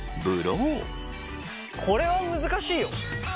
これは難しいよ。